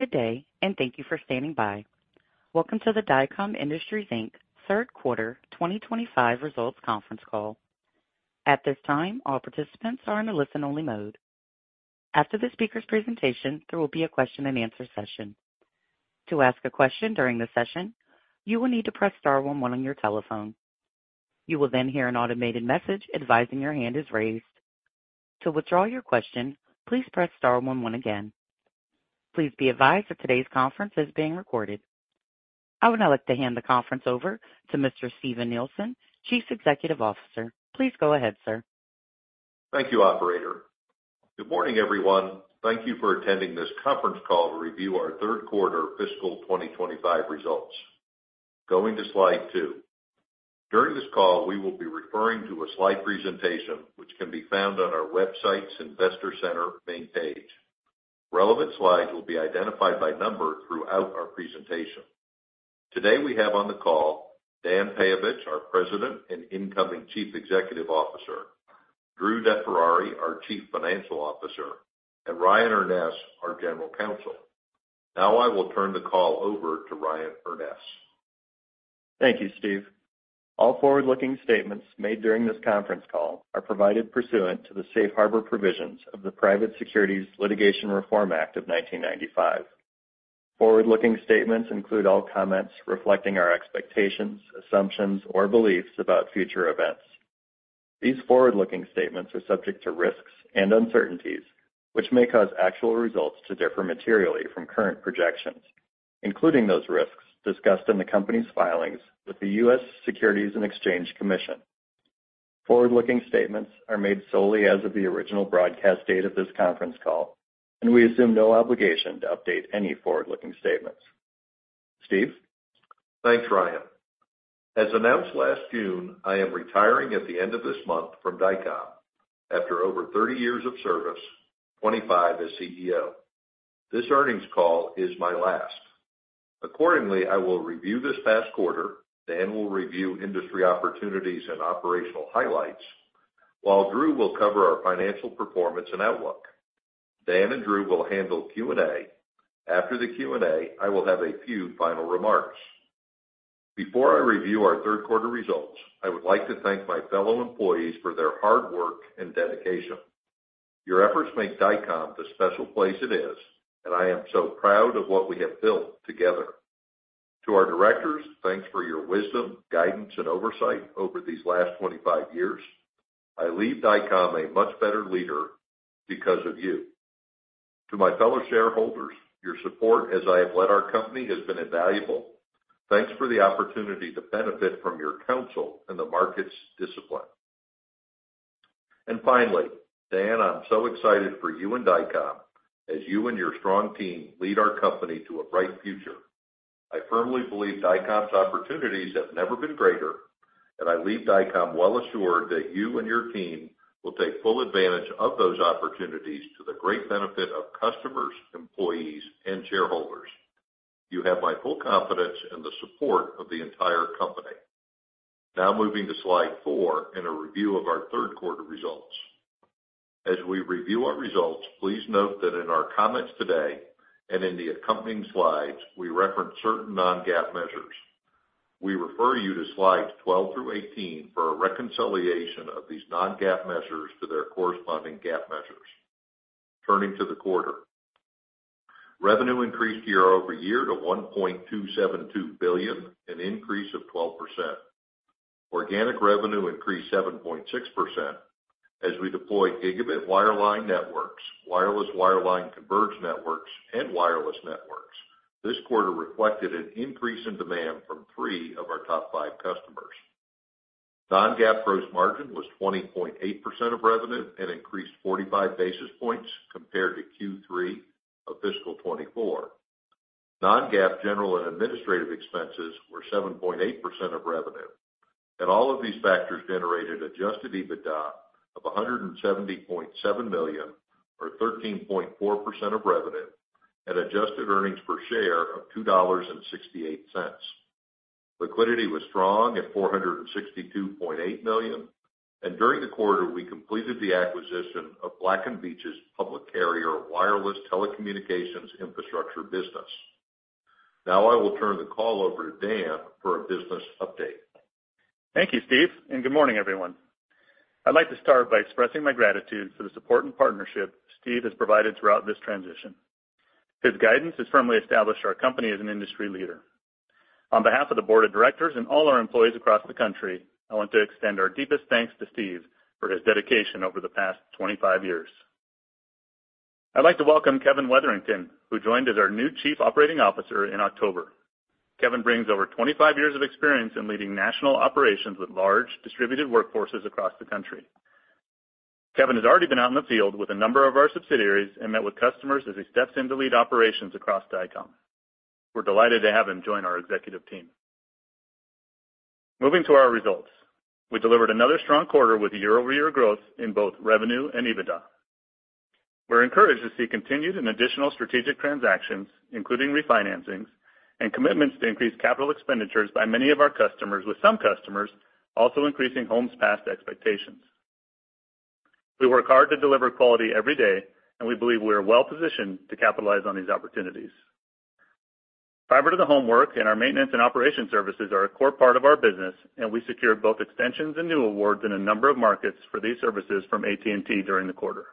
Good day, and thank you for standing by. Welcome to the Dycom Industries, Inc. Q3 2025 results conference call. At this time, all participants are in a listen-only mode. After the speaker's presentation, there will be a question-and-answer session. To ask a question during the session, you will need to press star one one on your telephone. You will then hear an automated message advising your hand is raised. To withdraw your question, please press star one one again. Please be advised that today's conference is being recorded. I would now like to hand the conference over to Mr. Steven Nielsen, Chief Executive Officer. Please go ahead, sir. Thank you, Operator. Good morning, everyone. Thank you for attending this conference call to review our Q3 fiscal 2025 results. Going to slide two. During this call, we will be referring to a slide presentation which can be found on our website's Investor Center main page. Relevant slides will be identified by number throughout our presentation. Today, we have on the call Dan Peyovich, our President and incoming Chief Executive Officer, Drew DeFerrari, our Chief Financial Officer, and Ryan Urness, our General Counsel. Now, I will turn the call over to Ryan Urness. Thank you, Steve. All forward-looking statements made during this conference call are provided pursuant to the safe harbor provisions of the Private Securities Litigation Reform Act of 1995. Forward-looking statements include all comments reflecting our expectations, assumptions, or beliefs about future events. These forward-looking statements are subject to risks and uncertainties which may cause actual results to differ materially from current projections, including those risks discussed in the company's filings with the U.S. Securities and Exchange Commission. Forward-looking statements are made solely as of the original broadcast date of this conference call, and we assume no obligation to update any forward-looking statements. Steve? Thanks, Ryan. As announced last June, I am retiring at the end of this month from Dycom after over 30 years of service, 25 as CEO. This earnings call is my last. Accordingly, I will review this past quarter, Dan will review industry opportunities and operational highlights, while Drew will cover our financial performance and outlook. Dan and Drew will handle Q&A. After the Q&A, I will have a few final remarks. Before I review our Q3 results, I would like to thank my fellow employees for their hard work and dedication. Your efforts make Dycom the special place it is, and I am so proud of what we have built together. To our directors, thanks for your wisdom, guidance, and oversight over these last 25 years. I leave Dycom a much better leader because of you. To my fellow shareholders, your support as I have led our company has been invaluable. Thanks for the opportunity to benefit from your counsel and the market's discipline. And finally, Dan, I'm so excited for you and Dycom as you and your strong team lead our company to a bright future. I firmly believe Dycom's opportunities have never been greater, and I leave Dycom well assured that you and your team will take full advantage of those opportunities to the great benefit of customers, employees, and shareholders. You have my full confidence and the support of the entire company. Now, moving to slide four and a review of our Q3 results. As we review our results, please note that in our comments today and in the accompanying slides, we reference certain non-GAAP measures. We refer you to slides 12 through 18 for a reconciliation of these non-GAAP measures to their corresponding GAAP measures. Turning to the quarter, revenue increased year over year to $1.272 billion, an increase of 12%. Organic revenue increased 7.6% as we deployed gigabit wireline networks, wireless wireline converged networks, and wireless networks. This quarter reflected an increase in demand from three of our top five customers. Non-GAAP gross margin was 20.8% of revenue and increased 45 basis points compared to Q3 of fiscal 2024. Non-GAAP general and administrative expenses were 7.8% of revenue, and all of these factors generated adjusted EBITDA of $170.7 million, or 13.4% of revenue, and adjusted earnings per share of $2.68. Liquidity was strong at $462.8 million, and during the quarter, we completed the acquisition of Black & Veatch's public carrier wireless telecommunications infrastructure business. Now, I will turn the call over to Dan for a business update. Thank you, Steve, and good morning, everyone. I'd like to start by expressing my gratitude for the support and partnership Steve has provided throughout this transition. His guidance has firmly established our company as an industry leader. On behalf of the board of directors and all our employees across the country, I want to extend our deepest thanks to Steve for his dedication over the past 25 years. I'd like to welcome Kevin Wetherington, who joined as our new Chief Operating Officer in October. Kevin brings over 25 years of experience in leading national operations with large distributed workforces across the country. Kevin has already been out in the field with a number of our subsidiaries and met with customers as he steps in to lead operations across Dycom. We're delighted to have him join our executive team. Moving to our results, we delivered another strong quarter with year-over-year growth in both revenue and EBITDA. We're encouraged to see continued and additional strategic transactions, including refinancings, and commitments to increase capital expenditures by many of our customers, with some customers also increasing homes passed expectations. We work hard to deliver quality every day, and we believe we are well positioned to capitalize on these opportunities. Fiber-to-the-home work and our maintenance and operations services are a core part of our business, and we secured both extensions and new awards in a number of markets for these services from AT&T during the quarter.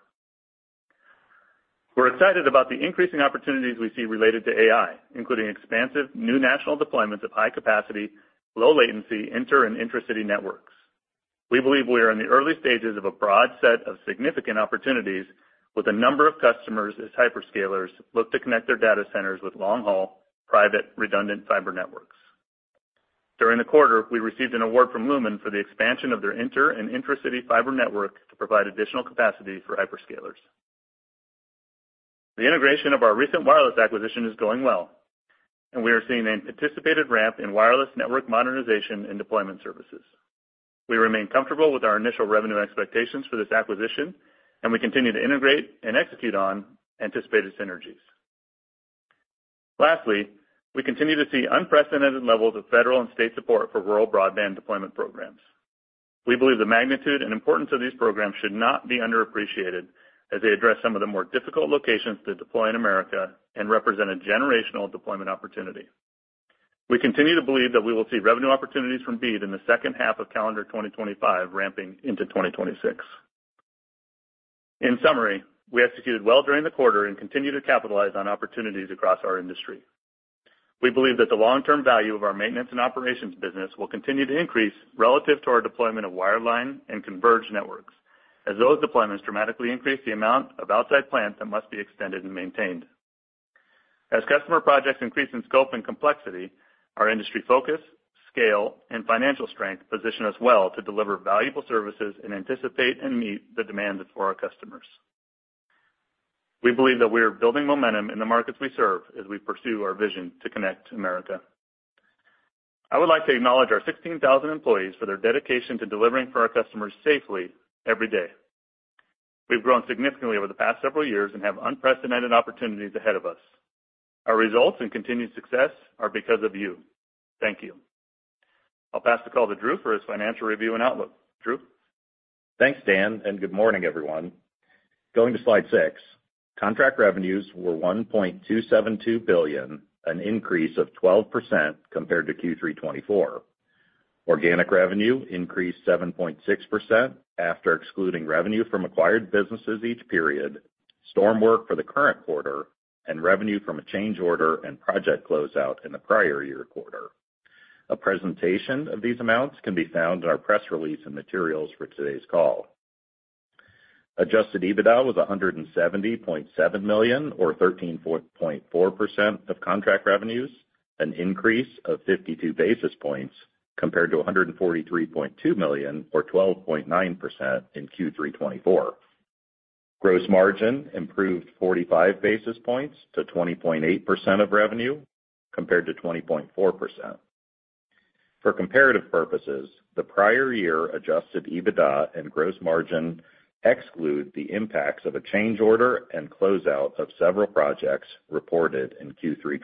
We're excited about the increasing opportunities we see related to AI, including expansive new national deployments of high-capacity, low-latency inter- and intra-city networks. We believe we are in the early stages of a broad set of significant opportunities, with a number of customers as hyperscalers look to connect their data centers with long-haul, private, redundant fiber networks. During the quarter, we received an award from Lumen for the expansion of their inter- and intra-city fiber network to provide additional capacity for hyperscalers. The integration of our recent wireless acquisition is going well, and we are seeing an anticipated ramp in wireless network modernization and deployment services. We remain comfortable with our initial revenue expectations for this acquisition, and we continue to integrate and execute on anticipated synergies. Lastly, we continue to see unprecedented levels of federal and state support for rural broadband deployment programs. We believe the magnitude and importance of these programs should not be underappreciated as they address some of the more difficult locations to deploy in America and represent a generational deployment opportunity. We continue to believe that we will see revenue opportunities from BEAD in the second half of calendar 2025 ramping into 2026. In summary, we executed well during the quarter and continue to capitalize on opportunities across our industry. We believe that the long-term value of our maintenance and operations business will continue to increase relative to our deployment of wireline and converged networks, as those deployments dramatically increase the amount of outside plant that must be extended and maintained. As customer projects increase in scope and complexity, our industry focus, scale, and financial strength position us well to deliver valuable services and anticipate and meet the demands for our customers. We believe that we are building momentum in the markets we serve as we pursue our vision to connect America. I would like to acknowledge our 16,000 employees for their dedication to delivering for our customers safely every day. We've grown significantly over the past several years and have unprecedented opportunities ahead of us. Our results and continued success are because of you. Thank you. I'll pass the call to Drew for his financial review and outlook. Drew? Thanks, Dan, and good morning, everyone. Going to slide six, contract revenues were $1.272 billion, an increase of 12% compared to Q3 2024. Organic revenue increased 7.6% after excluding revenue from acquired businesses each period, storm work for the current quarter, and revenue from a change order and project closeout in the prior year quarter. A presentation of these amounts can be found in our press release and materials for today's call. Adjusted EBITDA was $170.7 million, or 13.4% of contract revenues, an increase of 52 basis points compared to $143.2 million, or 12.9% in Q3 2024. Gross margin improved 45 basis points to 20.8% of revenue compared to 20.4%. For comparative purposes, the prior year adjusted EBITDA and gross margin exclude the impacts of a change order and closeout of several projects reported in Q3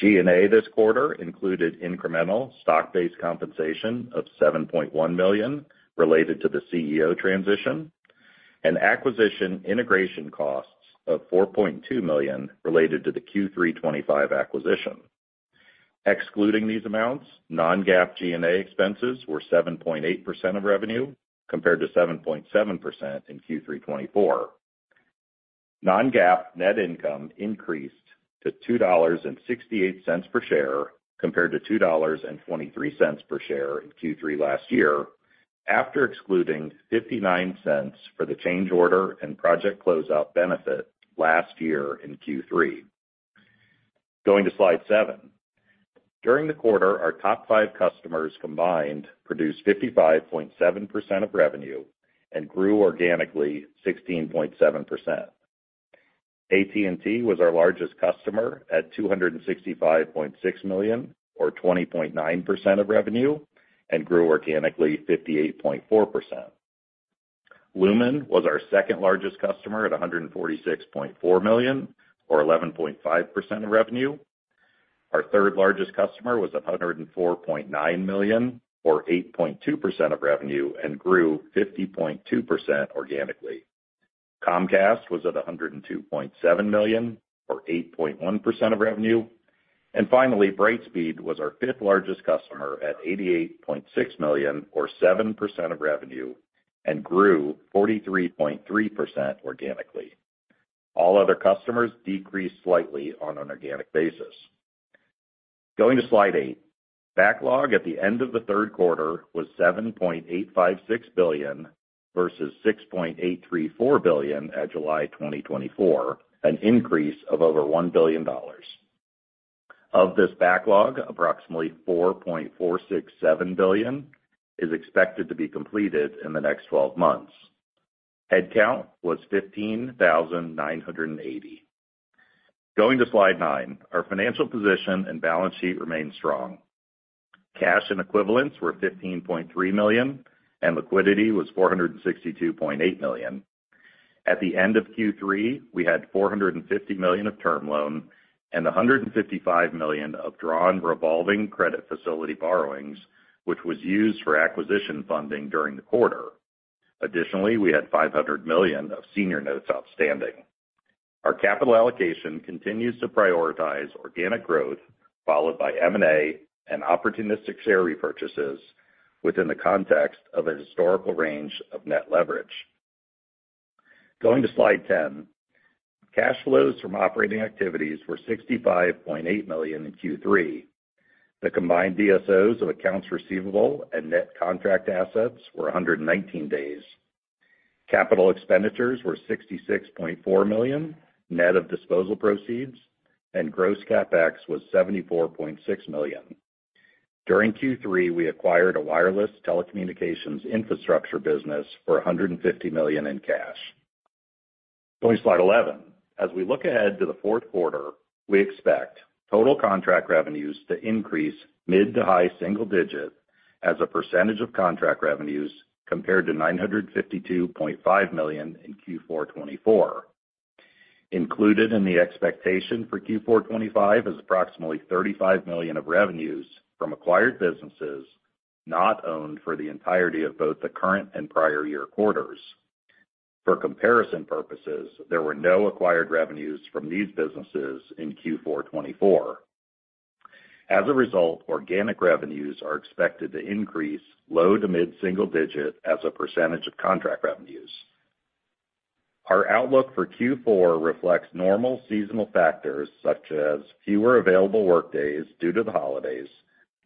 2024. G&A this quarter included incremental stock-based compensation of $7.1 million related to the CEO transition and acquisition integration costs of $4.2 million related to the Q3 2025 acquisition. Excluding these amounts, non-GAAP G&A expenses were 7.8% of revenue compared to 7.7% in Q3 2024. Non-GAAP net income increased to $2.68 per share compared to $2.23 per share in Q3 last year after excluding $0.59 for the change order and project closeout benefit last year in Q3. Going to slide seven. During the quarter, our top five customers combined produced 55.7% of revenue and grew organically 16.7%. AT&T was our largest customer at $265.6 million, or 20.9% of revenue, and grew organically 58.4%. Lumen was our second-largest customer at $146.4 million, or one one.5% of revenue. Our third-largest customer was $104.9 million, or 8.2% of revenue, and grew 50.2% organically. Comcast was at $102.7 million, or 8.1% of revenue. Finally, Brightspeed was our fifth-largest customer at $88.6 million, or 7% of revenue, and grew 43.3% organically. All other customers decreased slightly on an organic basis. Going to slide eight, backlog at the end of the third quarter was $7.856 billion versus $6.834 billion at July 2024, an increase of over $1 billion. Of this backlog, approximately $4.467 billion is expected to be completed in the next 12 months. Headcount was 15,980. Going to slide nine, our financial position and balance sheet remained strong. Cash and equivalents were $15.3 million, and liquidity was $462.8 million. At the end of Q3, we had $450 million of term loan and $155 million of drawn revolving credit facility borrowings, which was used for acquisition funding during the quarter. Additionally, we had $500 million of senior notes outstanding. Our capital allocation continues to prioritize organic growth, followed by M&A and opportunistic share repurchases within the context of a historical range of net leverage. Going to slide 10, cash flows from operating activities were $65.8 million in Q3. The combined DSOs of accounts receivable and net contract assets were 119 days. Capital expenditures were $66.4 million net of disposal proceeds, and gross CapEx was $74.6 million. During Q3, we acquired a wireless telecommunications infrastructure business for $150 million in cash. Going to slide 11, as we look ahead to the fourth quarter, we expect total contract revenues to increase mid- to high-single-digit as a percentage of contract revenues compared to $952.5 million in Q4 2024. Included in the expectation for Q4 2025 is approximately $35 million of revenues from acquired businesses not owned for the entirety of both the current and prior year quarters. For comparison purposes, there were no acquired revenues from these businesses in Q4 2024. As a result, organic revenues are expected to increase low- to mid-single-digit as a percentage of contract revenues. Our outlook for Q4 reflects normal seasonal factors such as fewer available workdays due to the holidays,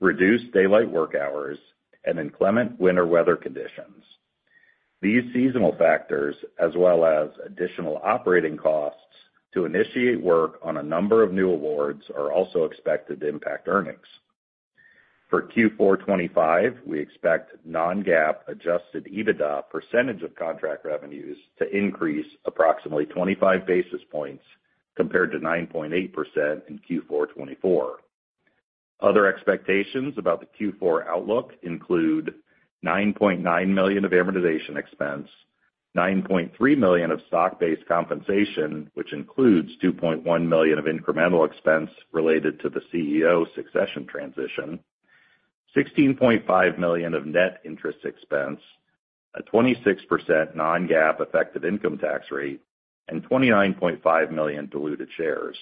reduced daylight work hours, and inclement winter weather conditions. These seasonal factors, as well as additional operating costs to initiate work on a number of new awards, are also expected to impact earnings. For Q4 2025, we expect non-GAAP adjusted EBITDA percentage of contract revenues to increase approximately 25 basis points compared to 9.8% in Q4 2024. Other expectations about the Q4 outlook include $9.9 million of amortization expense, $9.3 million of stock-based compensation, which includes $2.1 million of incremental expense related to the CEO succession transition, $16.5 million of net interest expense, a 26% non-GAAP effective income tax rate, and 29.5 million diluted shares.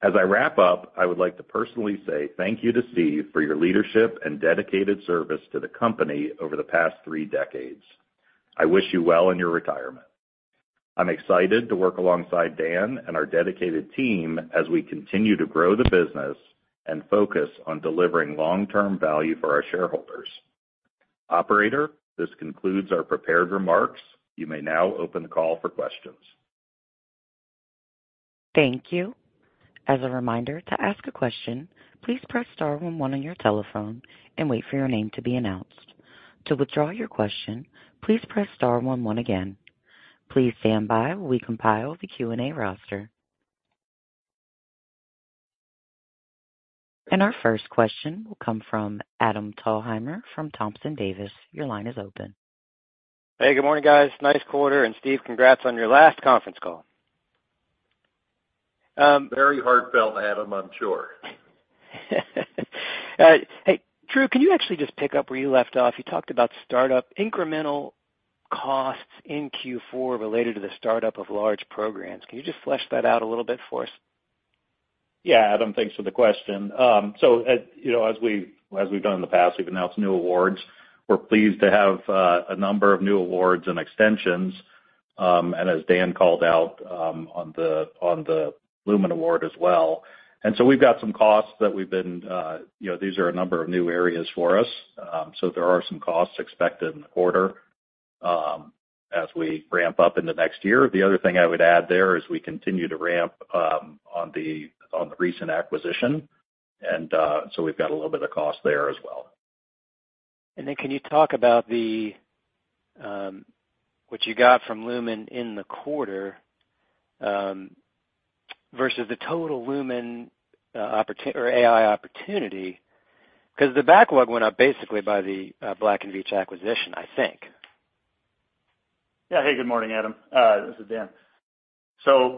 As I wrap up, I would like to personally say thank you to Steve for your leadership and dedicated service to the company over the past three decades. I wish you well in your retirement. I'm excited to work alongside Dan and our dedicated team as we continue to grow the business and focus on delivering long-term value for our shareholders. Operator, this concludes our prepared remarks. You may now open the call for questions. Thank you. As a reminder, to ask a question, please press star one one on your telephone and wait for your name to be announced. To withdraw your question, please press star one one again. Please stand by while we compile the Q&A roster, and our first question will come from Adam Thalhimer from Thompson Davis. Your line is open. Hey, good morning, guys. Nice quarter. And Steve, congrats on your last conference call. Very heartfelt, Adam, I'm sure. Hey, Drew, can you actually just pick up where you left off? You talked about startup incremental costs in Q4 related to the startup of large programs. Can you just flesh that out a little bit for us? Yeah, Adam, thanks for the question, so as we've done in the past, we've announced new awards. We're pleased to have a number of new awards and extensions, and as Dan called out on the Lumen award as well, and so we've got some costs that we've been. These are a number of new areas for us, so there are some costs expected in the quarter as we ramp up into next year. The other thing I would add there is we continue to ramp on the recent acquisition, and so we've got a little bit of cost there as well. And then can you talk about what you got from Lumen in the quarter versus the total Lumen or AI opportunity? Because the backlog went up basically by the Black & Veatch acquisition, I think. Yeah. Hey, good morning, Adam. This is Dan. So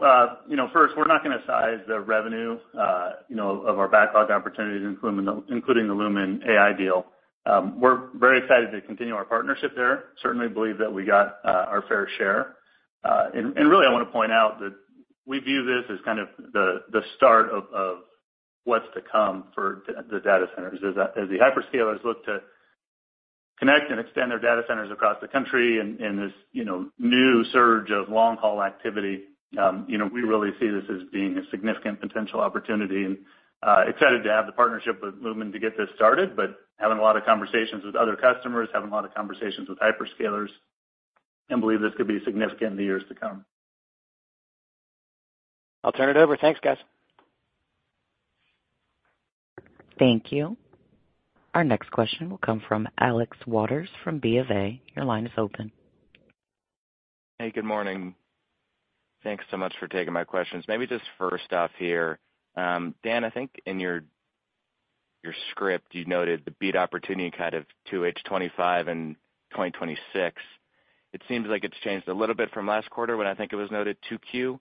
first, we're not going to size the revenue of our backlog opportunities, including the Lumen AI deal. We're very excited to continue our partnership there. Certainly believe that we got our fair share. And really, I want to point out that we view this as kind of the start of what's to come for the data centers. As the hyperscalers look to connect and extend their data centers across the country in this new surge of long-haul activity, we really see this as being a significant potential opportunity and excited to have the partnership with Lumen to get this started, but having a lot of conversations with other customers, having a lot of conversations with hyperscalers, and believe this could be significant in the years to come. I'll turn it over. Thanks, guys. Thank you. Our next question will come from Alex Waters from Bank of America. Your line is open. Hey, good morning. Thanks so much for taking my questions. Maybe just first off here, Dan, I think in your script, you noted the BEAD opportunity kind of 2H25 and 2026. It seems like it's changed a little bit from last quarter when I think it was noted Q2.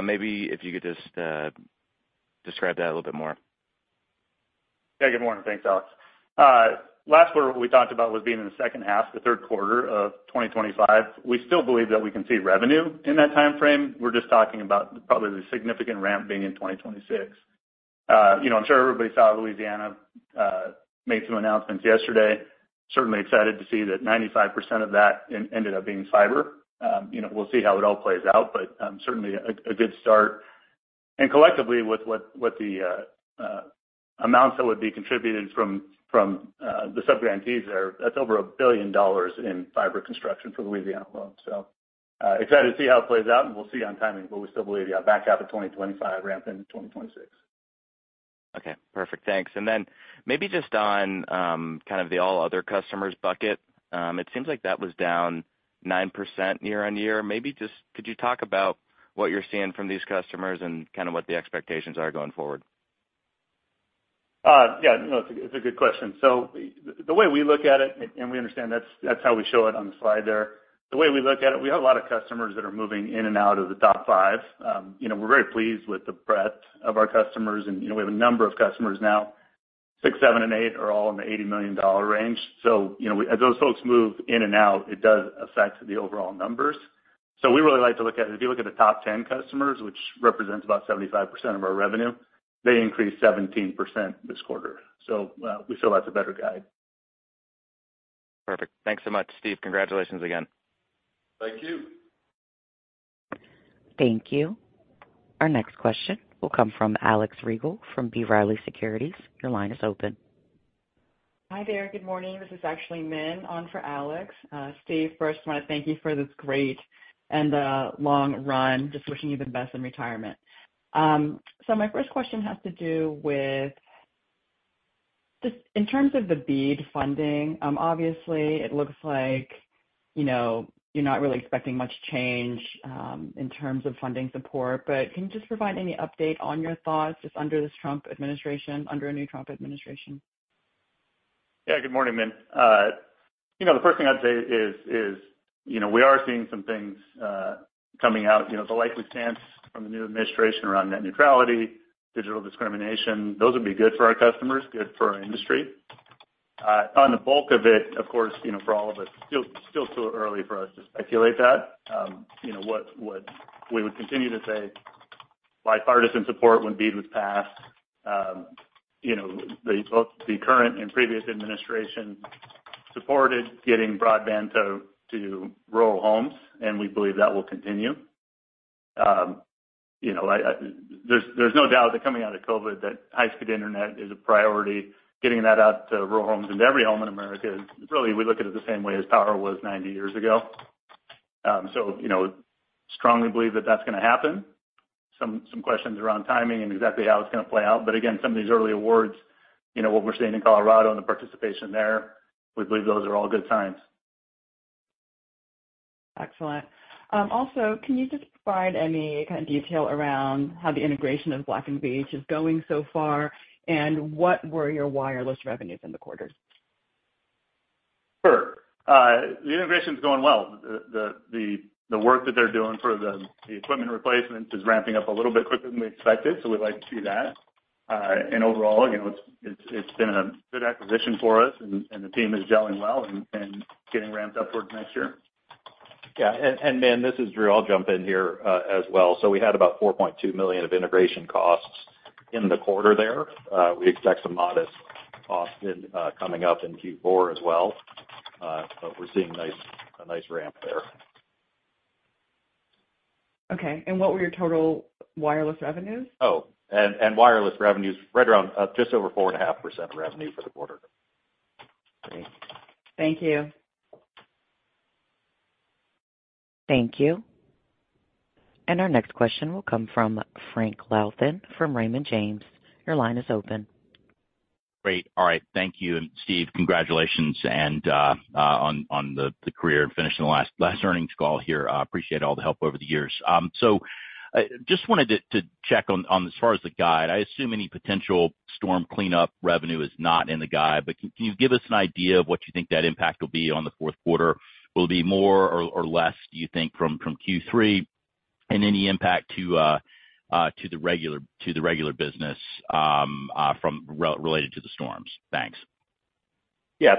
Maybe if you could just describe that a little bit more? Yeah, good morning. Thanks, Alex. Last quarter, what we talked about was being in the second half, the third quarter of 2025. We still believe that we can see revenue in that time frame. We're just talking about probably the significant ramp being in 2026. I'm sure everybody saw Louisiana made some announcements yesterday. Certainly excited to see that 95% of that ended up being fiber. We'll see how it all plays out, but certainly a good start, and collectively, with the amounts that would be contributed from the subgrantees there, that's over $1 billion in fiber construction for Louisiana alone, so excited to see how it plays out, and we'll see on timing, but we still believe you have back half of 2025 ramping in 2026. Okay. Perfect. Thanks. And then maybe just on kind of the all-other customers bucket, it seems like that was down 9% year on year. Maybe just could you talk about what you're seeing from these customers and kind of what the expectations are going forward? Yeah. No, it's a good question. So the way we look at it, and we understand that's how we show it on the slide there. The way we look at it, we have a lot of customers that are moving in and out of the top five. We're very pleased with the breadth of our customers. And we have a number of customers now. Six, seven, and eight are all in the $80 million range. So as those folks move in and out, it does affect the overall numbers. So we really like to look at it. If you look at the top 10 customers, which represents about 75% of our revenue, they increased 17% this quarter. So we feel that's a better guide. Perfect. Thanks so much, Steve. Congratulations again. Thank you. Thank you. Our next question will come from Alex Rygiel from B. Riley Securities. Your line is open. Hi there. Good morning. This is actually Min on for Alex. Steve, first, I want to thank you for this great and long run. Just wishing you the best in retirement. So my first question has to do with, in terms of the BEAD funding, obviously, it looks like you're not really expecting much change in terms of funding support. But can you just provide any update on your thoughts just under this Trump administration, under a new Trump administration? Yeah. Good morning, Min. The first thing I'd say is we are seeing some things coming out. The likely stance from the new administration around net neutrality, digital discrimination, those would be good for our customers, good for our industry. On the bulk of it, of course, for all of us, still too early for us to speculate that. What we would continue to say, bipartisan support when BEAD was passed. The current and previous administration supported getting broadband to rural homes, and we believe that will continue. There's no doubt that coming out of COVID, that high-speed internet is a priority. Getting that out to rural homes and to every home in America is really, we look at it the same way as power was 90 years ago. So strongly believe that that's going to happen. Some questions around timing and exactly how it's going to play out. But again, some of these early awards, what we're seeing in Colorado and the participation there, we believe those are all good signs. Excellent. Also, can you just provide any kind of detail around how the integration of Black & Veatch is going so far and what were your wireless revenues in the quarter? Sure. The integration is going well. The work that they're doing for the equipment replacements is ramping up a little bit quicker than we expected, so we like to see that, and overall, it's been a good acquisition for us, and the team is gelling well and getting ramped up towards next year. Yeah, and, man, this is Drew. I'll jump in here as well. So we had about $4.2 million of integration costs in the quarter there. We expect some modest costs coming up in Q4 as well, but we're seeing a nice ramp there. Okay. And what were your total wireless revenues? Oh, and wireless revenues, right around just over 4.5% revenue for the quarter. Great. Thank you. Thank you. And our next question will come from Frank Louthan from Raymond James. Your line is open. Great. All right. Thank you. And Steve, congratulations on the career and finishing the last earnings call here. Appreciate all the help over the years. So just wanted to check on, as far as the guide, I assume any potential storm cleanup revenue is not in the guide, but can you give us an idea of what you think that impact will be on the fourth quarter? Will it be more or less, do you think, from Q3? And any impact to the regular business related to the storms? Thanks. Yeah.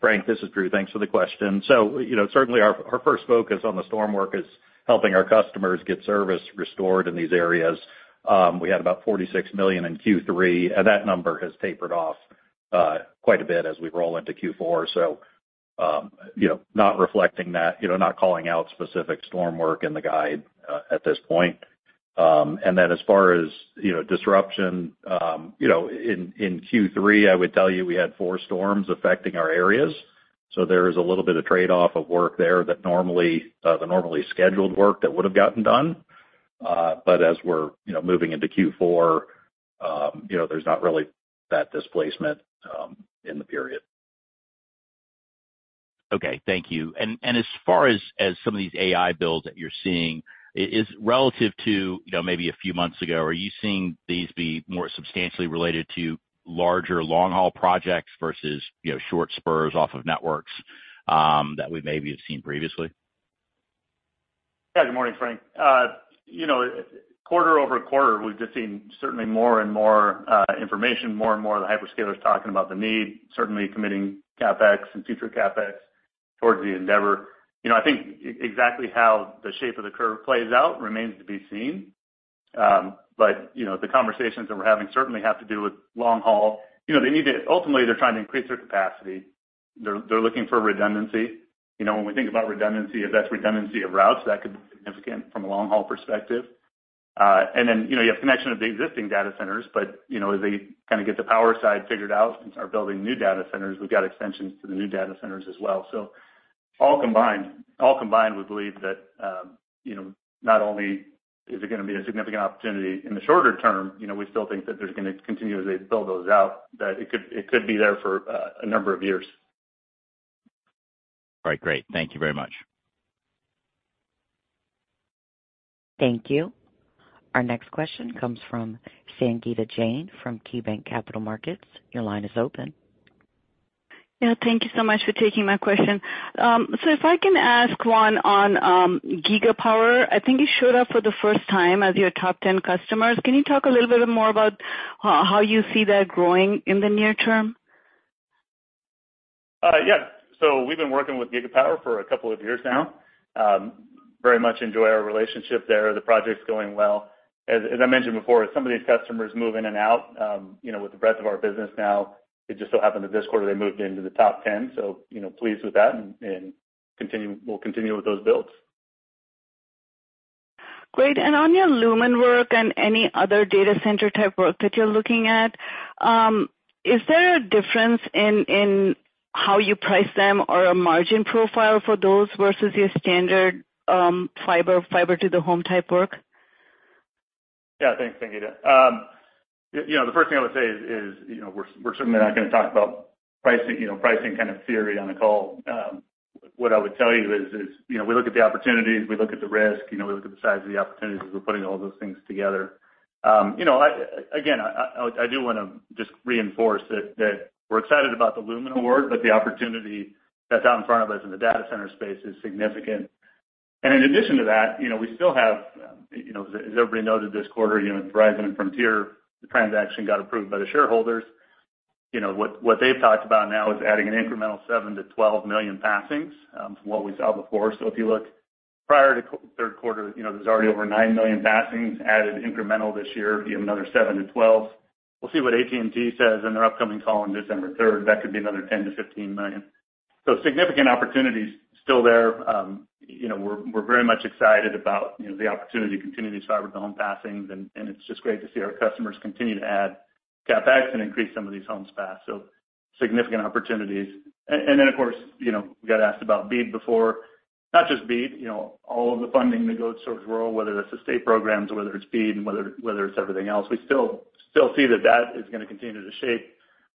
Frank, this is Drew. Thanks for the question. So certainly, our first focus on the storm work is helping our customers get service restored in these areas. We had about $46 million in Q3, and that number has tapered off quite a bit as we roll into Q4. So not reflecting that, not calling out specific storm work in the guide at this point. And then as far as disruption, in Q3, I would tell you we had four storms affecting our areas. So there is a little bit of trade-off of work there that normally scheduled work that would have gotten done. But as we're moving into Q4, there's not really that displacement in the period. Okay. Thank you. And as far as some of these AI builds that you're seeing, relative to maybe a few months ago, are you seeing these be more substantially related to larger long-haul projects versus short spurs off of networks that we maybe have seen previously? Yeah. Good morning, Frank. Quarter over quarter, we've just seen certainly more and more information, more and more of the hyperscalers talking about the need, certainly committing CapEx and future CapEx towards the endeavor. I think exactly how the shape of the curve plays out remains to be seen. But the conversations that we're having certainly have to do with long-haul. They need to ultimately, they're trying to increase their capacity. They're looking for redundancy. When we think about redundancy, if that's redundancy of routes, that could be significant from a long-haul perspective. And then you have connection of the existing data centers, but as they kind of get the power side figured out and start building new data centers, we've got extensions to the new data centers as well. So all combined, we believe that not only is it going to be a significant opportunity in the shorter term, we still think that they're going to continue as they build those out, that it could be there for a number of years. All right. Great. Thank you very much. Thank you. Our next question comes from Sangita Jain from KeyBanc Capital Markets. Your line is open. Yeah. Thank you so much for taking my question. So if I can ask one on Gigapower, I think you showed up for the first time as your top 10 customers. Can you talk a little bit more about how you see that growing in the near term? Yeah. So we've been working with Gigapower for a couple of years now. Very much enjoy our relationship there. The project's going well. As I mentioned before, some of these customers move in and out. With the breadth of our business now, it just so happened that this quarter they moved into the top 10. So pleased with that, and we'll continue with those builds. Great. And on your Lumen work and any other data center type work that you're looking at, is there a difference in how you price them or a margin profile for those versus your standard fiber to the home type work? Yeah. Thanks, Sangita. The first thing I would say is we're certainly not going to talk about pricing kind of theory on a call. What I would tell you is we look at the opportunities, we look at the risk, we look at the size of the opportunities as we're putting all those things together. Again, I do want to just reinforce that we're excited about the Lumen award, but the opportunity that's out in front of us in the data center space is significant. And in addition to that, we still have, as everybody noted this quarter, Verizon and Frontier. The transaction got approved by the shareholders. What they've talked about now is adding an incremental seven to 12 million passings from what we saw before. So if you look prior to third quarter, there's already over nine million passings added incremental this year, another seven to 12. We'll see what AT&T says in their upcoming call on December 3rd. That could be another 10-15 million. So significant opportunities still there. We're very much excited about the opportunity to continue these fiber to home passings, and it's just great to see our customers continue to add CapEx and increase some of these homes passed. So significant opportunities. And then, of course, we got asked about BEAD before. Not just BEAD. All of the funding that goes towards rural, whether that's state programs, whether it's BEAD, and whether it's everything else, we still see that that is going to continue to shape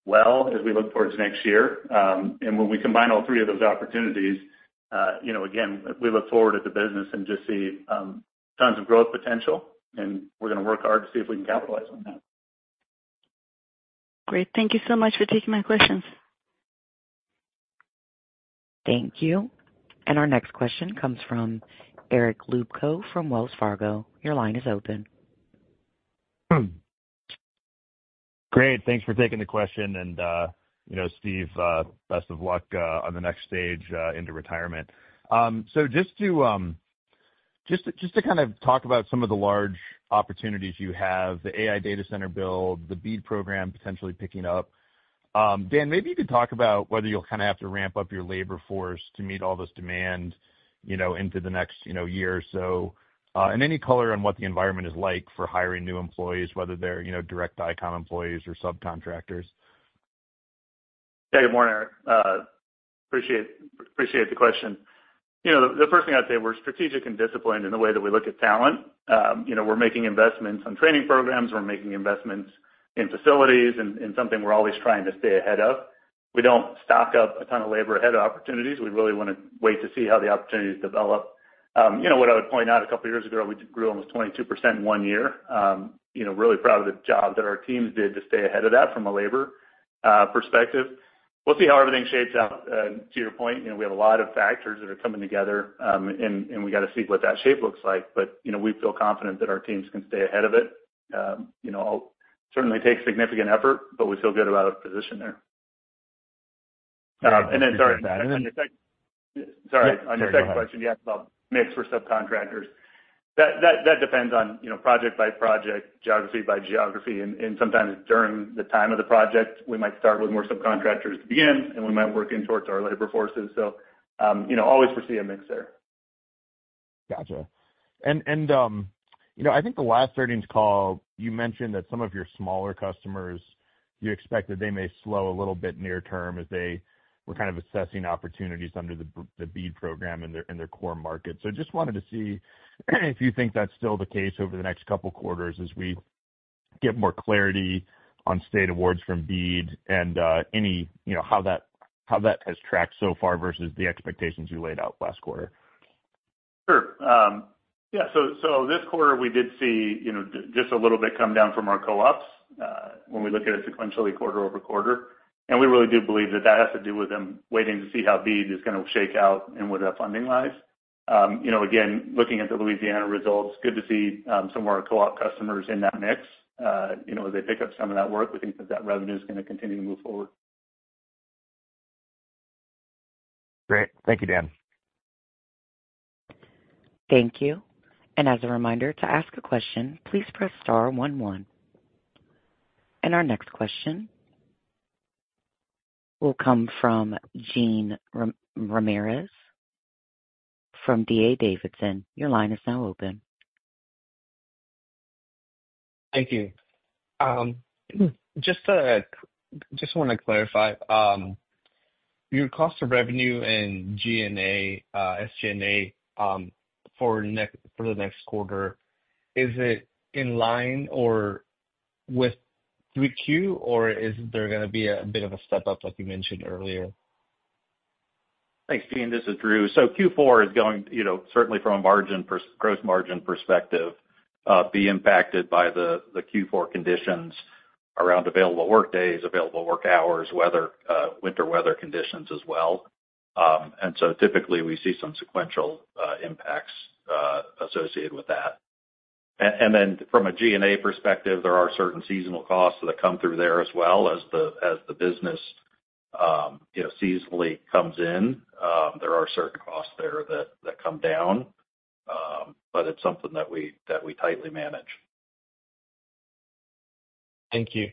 well as we look towards next year. And when we combine all three of those opportunities, again, we look forward at the business and just see tons of growth potential, and we're going to work hard to see if we can capitalize on that. Great. Thank you so much for taking my questions. Thank you. And our next question comes from Eric Luebchow from Wells Fargo. Your line is open. Great. Thanks for taking the question. And Steve, best of luck on the next stage into retirement. So just to kind of talk about some of the large opportunities you have, the AI data center build, the BEAD program potentially picking up, Dan, maybe you could talk about whether you'll kind of have to ramp up your labor force to meet all this demand into the next year or so. And any color on what the environment is like for hiring new employees, whether they're direct Dycom employees or subcontractors? Yeah. Good morning, Eric. Appreciate the question. The first thing I'd say, we're strategic and disciplined in the way that we look at talent. We're making investments on training programs. We're making investments in facilities and something we're always trying to stay ahead of. We don't stock up a ton of labor ahead of opportunities. We really want to wait to see how the opportunities develop. What I would point out, a couple of years ago, we grew almost 22% in one year. Really proud of the job that our teams did to stay ahead of that from a labor perspective. We'll see how everything shapes out. To your point, we have a lot of factors that are coming together, and we got to see what that shape looks like. But we feel confident that our teams can stay ahead of it. It'll certainly take significant effort, but we feel good about our position there, and then, sorry. Sorry. On your second question, you asked about mix for subcontractors. That depends on project by project, geography by geography. And sometimes during the time of the project, we might start with more subcontractors to begin, and we might work in towards our labor forces. So always foresee a mix there. Gotcha. And I think the last earnings call, you mentioned that some of your smaller customers, you expect that they may slow a little bit near term as they were kind of assessing opportunities under the BEAD program in their core market. So just wanted to see if you think that's still the case over the next couple of quarters as we get more clarity on state awards from BEAD and how that has tracked so far versus the expectations you laid out last quarter. Sure. Yeah, so this quarter, we did see just a little bit come down from our co-ops when we look at it sequentially quarter over quarter, and we really do believe that that has to do with them waiting to see how BEAD is going to shake out and where that funding lies. Again, looking at the Louisiana results, good to see some of our co-op customers in that mix. As they pick up some of that work, we think that that revenue is going to continue to move forward. Great. Thank you, Dan. Thank you. And as a reminder, to ask a question, please press star one one. And our next question will come from Jean Ramirez from D.A. Davidson. Your line is now open. Thank you. Just want to clarify, your cost of revenue in SG&A for the next quarter, is it in line with Q2, or is there going to be a bit of a step up like you mentioned earlier? Thanks, Jean. This is Drew. So Q4 is going certainly from a gross margin perspective, be impacted by the Q4 conditions around available work days, available work hours, winter weather conditions as well. And so typically, we see some sequential impacts associated with that. And then from a G&A perspective, there are certain seasonal costs that come through there as well as the business seasonally comes in. There are certain costs there that come down, but it's something that we tightly manage. Thank you.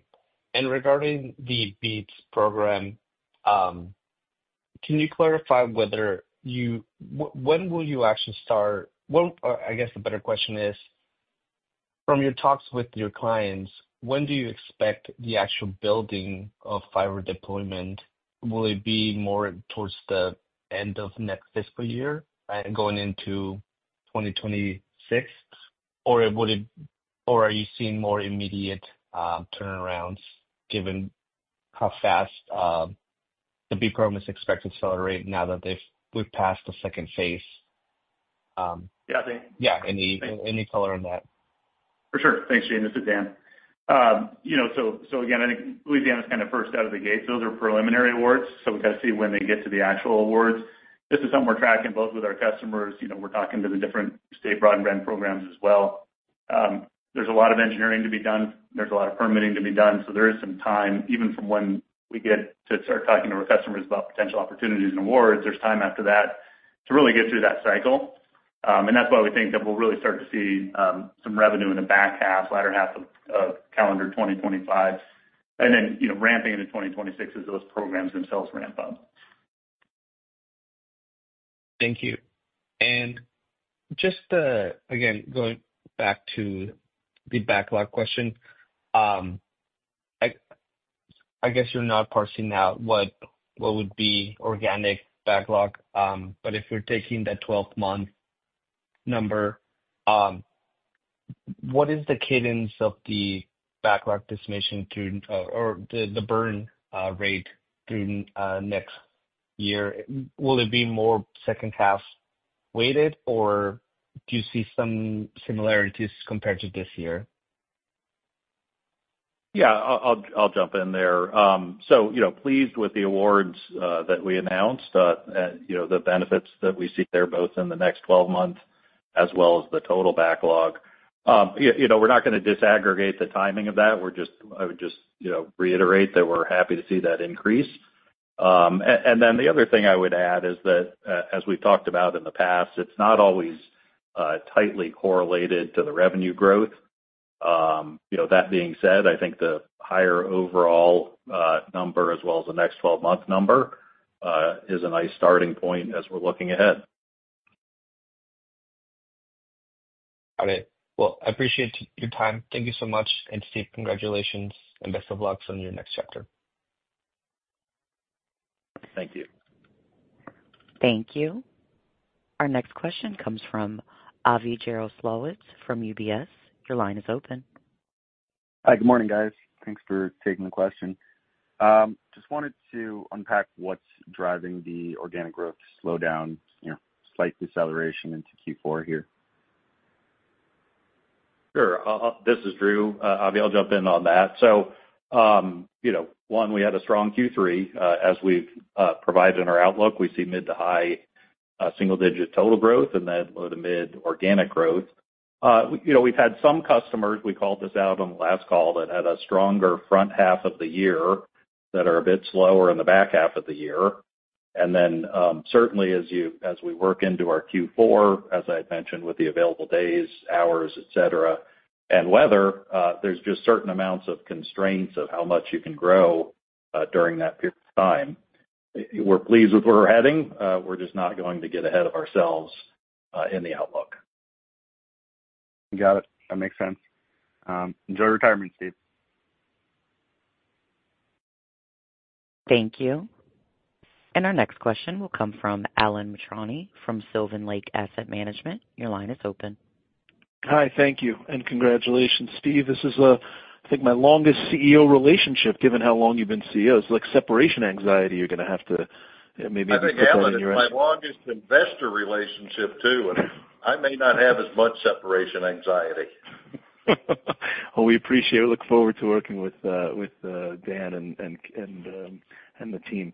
And regarding the BEAD program, can you clarify when will you actually start? I guess the better question is, from your talks with your clients, when do you expect the actual building of fiber deployment? Will it be more towards the end of next fiscal year and going into 2026? Or are you seeing more immediate turnarounds given how fast the BEAD program is expected to accelerate now that we've passed the second phase? Yeah. I think. Yeah. Any color on that? For sure. Thanks, Jean. This is Dan. So again, I think Louisiana is kind of first out of the gate. So those are preliminary awards. So we got to see when they get to the actual awards. This is something we're tracking both with our customers. We're talking to the different state broadband programs as well. There's a lot of engineering to be done. There's a lot of permitting to be done. So there is some time, even from when we get to start talking to our customers about potential opportunities and awards, there's time after that to really get through that cycle. And that's why we think that we'll really start to see some revenue in the back half, latter half of calendar 2025, and then ramping into 2026 as those programs themselves ramp up. Thank you. And just again, going back to the backlog question, I guess you're not parsing out what would be organic backlog, but if we're taking that 12-month number, what is the cadence of the backlog decimation or the burn rate through next year? Will it be more second-half weighted, or do you see some similarities compared to this year? Yeah. I'll jump in there, so pleased with the awards that we announced, the benefits that we see there both in the next 12 months as well as the total backlog. We're not going to disaggregate the timing of that. I would just reiterate that we're happy to see that increase, and then the other thing I would add is that, as we've talked about in the past, it's not always tightly correlated to the revenue growth. That being said, I think the higher overall number as well as the next 12-month number is a nice starting point as we're looking ahead. Got it. Well, I appreciate your time. Thank you so much. And Steve, congratulations, and best of luck on your next chapter. Thank you. Thank you. Our next question comes from Avi Jaroslawicz from UBS. Your line is open. Hi. Good morning, guys. Thanks for taking the question. Just wanted to unpack what's driving the organic growth slowdown, slight deceleration into Q4 here. Sure. This is Drew. Avi, I'll jump in on that. So one, we had a strong Q3. As we've provided in our outlook, we see mid- to high single-digit total growth and then low- to mid- organic growth. We've had some customers we called this out on the last call that had a stronger front half of the year that are a bit slower in the back half of the year. And then certainly, as we work into our Q4, as I had mentioned with the available days, hours, etc., and weather, there's just certain amounts of constraints of how much you can grow during that period of time. We're pleased with where we're heading. We're just not going to get ahead of ourselves in the outlook. Got it. That makes sense. Enjoy retirement, Steve. Thank you. And our next question will come from Alan Mitrani from Sylvan Lake Asset Management. Your line is open. Hi. Thank you. And congratulations, Steve. This is, I think, my longest CEO relationship given how long you've been CEO. It's like separation anxiety you're going to have to maybe put that in your. I think that's my longest investor relationship too. I may not have as much separation anxiety. We appreciate it. We look forward to working with Dan and the team.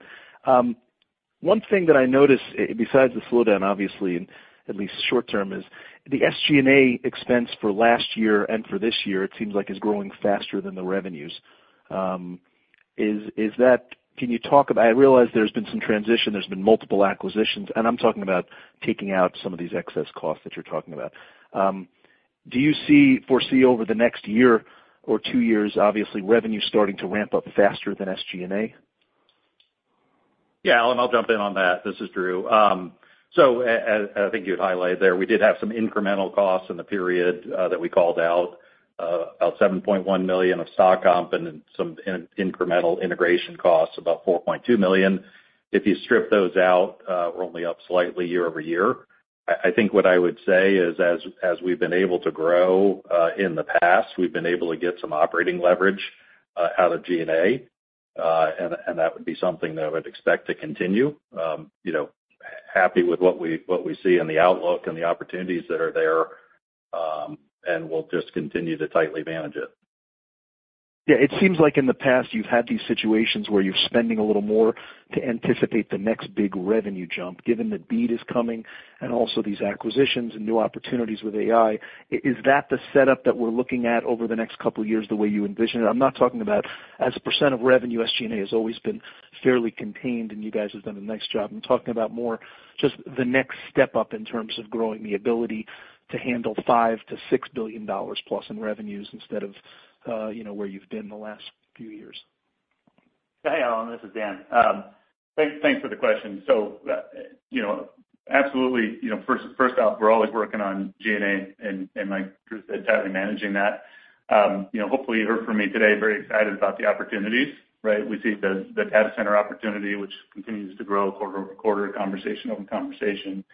One thing that I noticed besides the slowdown, obviously, at least short-term, is the SG&A expense for last year and for this year. It seems like it's growing faster than the revenues. Can you talk about it? I realize there's been some transition. There's been multiple acquisitions. And I'm talking about taking out some of these excess costs that you're talking about. Do you foresee over the next year or two years, obviously, revenue starting to ramp up faster than SG&A? Yeah. And I'll jump in on that. This is Drew. So I think you'd highlight there, we did have some incremental costs in the period that we called out, about $7.1 million of stock comp and some incremental integration costs, about $4.2 million. If you strip those out, we're only up slightly year over year. I think what I would say is, as we've been able to grow in the past, we've been able to get some operating leverage out of G&A. And that would be something that I would expect to continue. Happy with what we see in the outlook and the opportunities that are there. And we'll just continue to tightly manage it. Yeah. It seems like in the past, you've had these situations where you're spending a little more to anticipate the next big revenue jump given that BEAD is coming and also these acquisitions and new opportunities with AI. Is that the setup that we're looking at over the next couple of years the way you envision it? I'm not talking about as a % of revenue. SG&A has always been fairly contained, and you guys have done a nice job. I'm talking about more just the next step up in terms of growing the ability to handle $5-6 billion plus in revenues instead of where you've been the last few years. Hey, Alan. This is Dan. Thanks for the question. So absolutely, first off, we're always working on G&A, and like Drew said, tightly managing that. Hopefully, you heard from me today, very excited about the opportunities, right? We see the data center opportunity, which continues to grow quarter over quarter, conversation over conversation.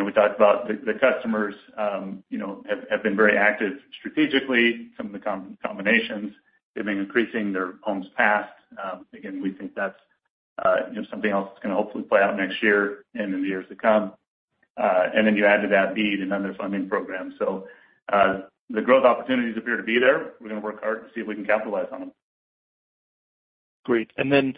We talked about the customers have been very active strategically, some of the combinations, they've been increasing their homes passed. Again, we think that's something else that's going to hopefully play out next year and in the years to come. And then you add to that BEAD and other funding programs. So the growth opportunities appear to be there. We're going to work hard to see if we can capitalize on them. Great. And then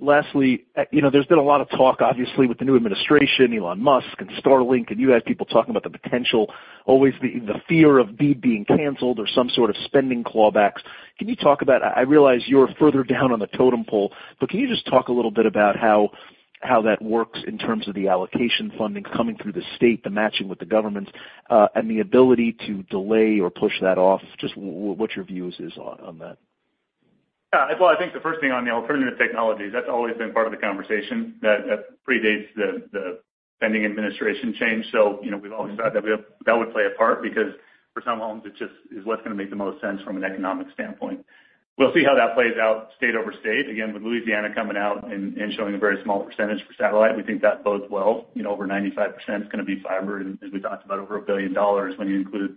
lastly, there's been a lot of talk, obviously, with the new administration, Elon Musk and Starlink, and you had people talking about the potential, always the fear of BEAD being canceled or some sort of spending clawbacks. Can you talk about? I realize you're further down on the totem pole, but can you just talk a little bit about how that works in terms of the allocation funding coming through the state, the matching with the governments, and the ability to delay or push that off? Just what your view is on that? Yeah. Well, I think the first thing on the alternative technologies, that's always been part of the conversation that predates the spending administration change. So we've always thought that would play a part because for some homes, it just is what's going to make the most sense from an economic standpoint. We'll see how that plays out state over state. Again, with Louisiana coming out and showing a very small percentage for satellite, we think that bodes well. Over 95% is going to be fiber, and as we talked about, over $1 billion when you include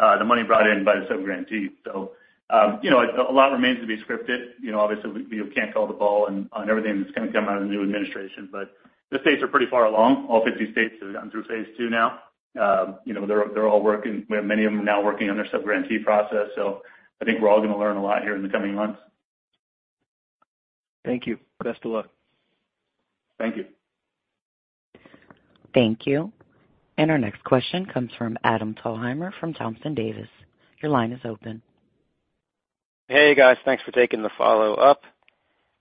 the money brought in by the subgrantee. So a lot remains to be scripted. Obviously, we can't call the ball on everything that's going to come out of the new administration, but the states are pretty far along. All 50 states have gone through phase two now. They're all working. Many of them are now working on their subgrantee process. So I think we're all going to learn a lot here in the coming months. Thank you. Best of luck. Thank you. Thank you. And our next question comes from Adam Thalhimer from Thompson Davis. Your line is open. Hey, guys. Thanks for taking the follow-up.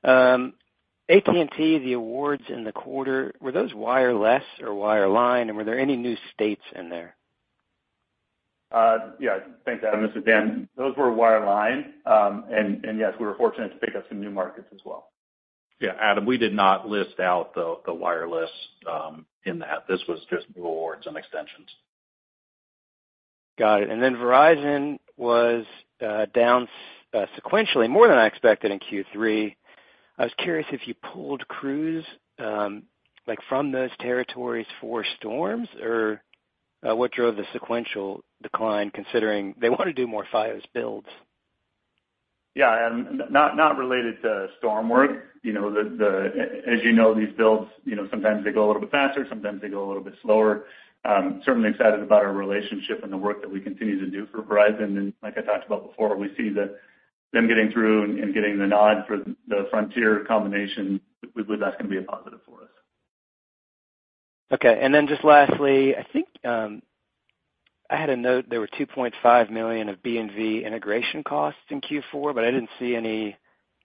AT&T, the awards in the quarter, were those wireless or wireline, and were there any new states in there? Yeah. Thanks, Adam. This is Dan. Those were wireline. And yes, we were fortunate to pick up some new markets as well. Yeah. Adam, we did not list out the wireless in that. This was just new awards and extensions. Got it. And then Verizon was down sequentially more than I expected in Q3. I was curious if you pulled crews from those territories for storms, or what drove the sequential decline considering they want to do more Fios builds? Yeah. And not related to storm work. As you know, these builds, sometimes they go a little bit faster. Sometimes they go a little bit slower. Certainly excited about our relationship and the work that we continue to do for Verizon. And like I talked about before, we see them getting through and getting the nod for the Frontier combination. We believe that's going to be a positive for us. Okay. And then just lastly, I think I had a note there were $2.5 million of B&V integration costs in Q4, but I didn't see any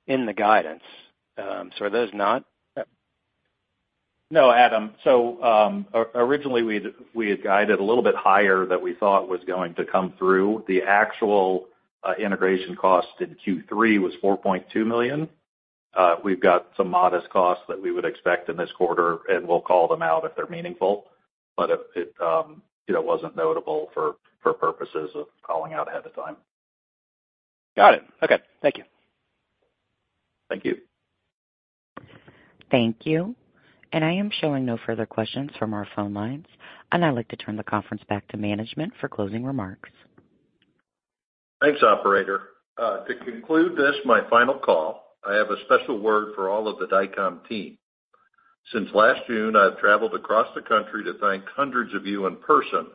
in the guidance. So are those not? No, Adam. So originally, we had guided a little bit higher that we thought was going to come through. The actual integration cost in Q3 was $4.2 million. We've got some modest costs that we would expect in this quarter, and we'll call them out if they're meaningful. But it wasn't notable for purposes of calling out ahead of time. Got it. Okay. Thank you. Thank you. Thank you. And I am showing no further questions from our phone lines. And I'd like to turn the conference back to management for closing remarks. Thanks, operator. To conclude this, my final call, I have a special word for all of the Dycom team. Since last June, I've traveled across the country to thank hundreds of you in person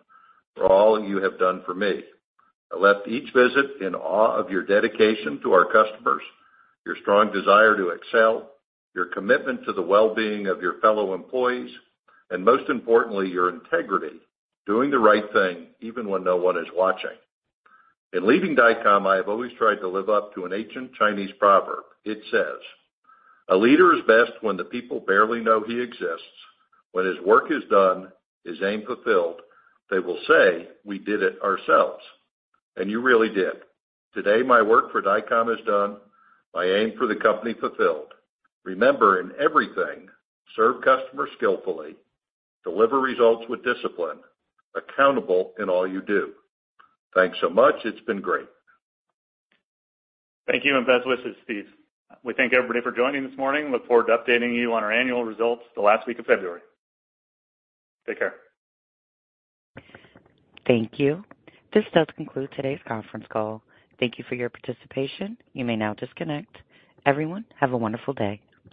for all you have done for me. I left each visit in awe of your dedication to our customers, your strong desire to excel, your commitment to the well-being of your fellow employees, and most importantly, your integrity doing the right thing even when no one is watching. In leaving Dycom, I have always tried to live up to an ancient Chinese proverb. It says, "A leader is best when the people barely know he exists. When his work is done, his aim fulfilled, they will say, 'We did it ourselves.'" And you really did. Today, my work for Dycom is done. My aim for the company fulfilled. Remember, in everything, serve customers skillfully, deliver results with discipline, accountable in all you do. Thanks so much. It's been great. Thank you. And best wishes, Steve. We thank everybody for joining this morning. Look forward to updating you on our annual results the last week of February. Take care. Thank you. This does conclude today's conference call. Thank you for your participation. You may now disconnect. Everyone, have a wonderful day.